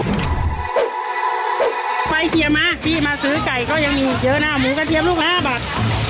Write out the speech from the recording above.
ไฟเสียมาพี่มาซื้อไก่ก็ยังมีอีกเยอะนะหมูกระเทียมลูกละ๕บาท